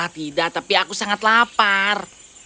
tidak tapi aku sangat lapar